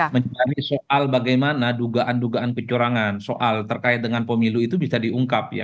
mencari soal bagaimana dugaan dugaan kecurangan soal terkait dengan pemilu itu bisa diungkap ya